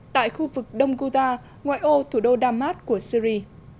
tại khu vực đông guta ngoại ô thủ đô đam mát của syri